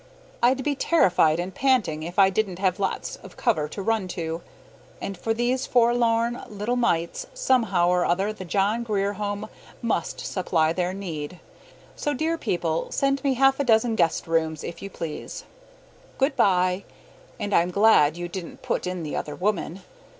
I'd be terrified and panting if I didn't have lots of cover to run to. And for these forlorn little mites, somehow or other the John Grier Home must supply their need. So, dear people, send me half a dozen guest rooms, if you please. Good by, and I'm glad you didn't put in the other woman.